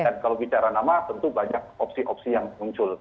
dan kalau bicara nama tentu banyak opsi opsi yang muncul